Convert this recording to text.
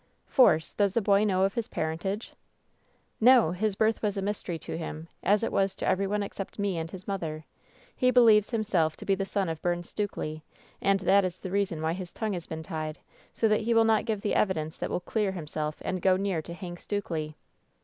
"Force, does the boy know of his parentage?" "No. His birth was a mystery to him, as it was to every one except me and his mother. He believes him self to be the son of Byrne Stukely, and that is the rea son why his tongue has been tied, so that he will not give the evidence that will clear himself and go near to hang Stukely."